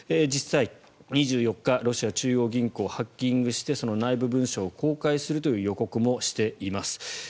実際２４日、ロシア中央銀行をハッキングしてその内部文書を公開するという予告もしています。